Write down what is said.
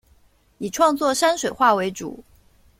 以创作山水画为主。